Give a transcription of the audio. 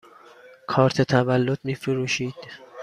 کارت تولد می فروشید؟